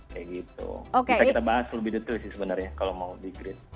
bisa kita bahas lebih detail sih sebenarnya kalau mau di grip